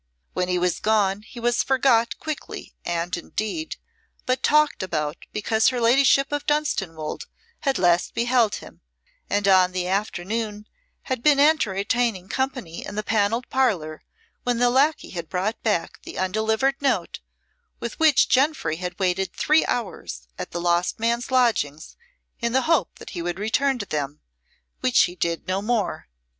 When he was gone he was forgot quickly and, indeed, but talked about because her ladyship of Dunstanwolde had last beheld him, and on the afternoon had been entertaining company in the Panelled Parlour when the lacquey had brought back the undelivered note with which Jenfry had waited three hours at the lost man's lodgings in the hope that he would return to them, which he did no more.